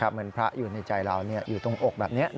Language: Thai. เหมือนพระอยู่ในใจเราอยู่ตรงอกแบบนี้